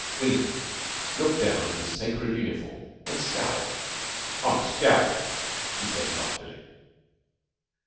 William looked down at his sacred uniform and scowled. "I'm a scout," he said loftily.